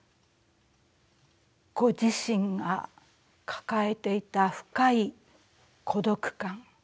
ご自身が抱えていた深い孤独感。